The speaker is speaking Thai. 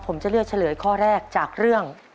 ผมจะเลือกเฉลยข้อแรกจากเรื่อง